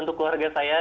untuk keluarga saya